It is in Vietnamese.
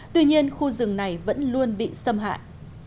tuy nhiên khu rừng này vẫn luôn bị xâm hại